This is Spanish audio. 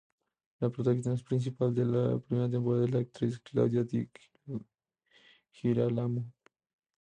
La protagonista principal de la primera temporada es la actriz Claudia Di Girolamo.